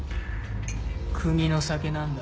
国の酒なんだ。